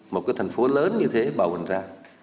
một cái thành phố lớn như thế bầu mình ra